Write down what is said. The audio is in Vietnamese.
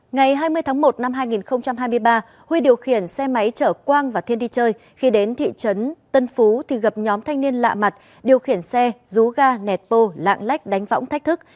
ngày hai mươi tháng một năm hai nghìn hai mươi ba huy điều khiển xe máy chở quang và thiên đi chơi khi đến thị trấn tân phú thì gặp nhóm thanh niên lạ mặt điều khiển xe rú ga nẹt bô lạng lách đánh võng thách thức